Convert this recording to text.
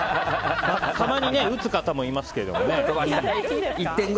たまに撃つ方もいますけどね。